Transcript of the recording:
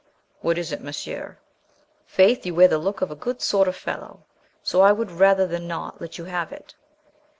"What is it, Monsieur?" "Faith! you wear the look of a good sort of fellow, so I would, rather than not, let you have it.